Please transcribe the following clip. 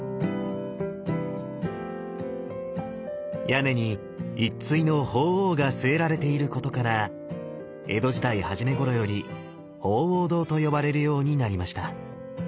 屋根に１対の鳳凰が据えられていることから江戸時代初めごろより「鳳凰堂」と呼ばれるようになりました。